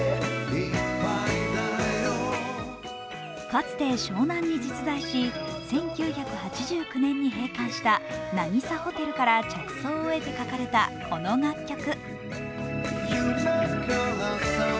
かつて湘南に実在し１９８９年に閉館したなぎさホテルから着想を得て書かれたこの楽曲。